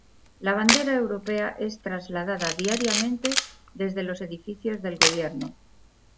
La bandera europea es trasladada diariamente desde los edificios del gobierno.